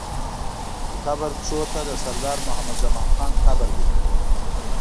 د قبر پښو ته د سردار محمد زمان خان قبر دی.